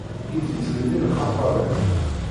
I d-yettmenni lxaṭer-iw.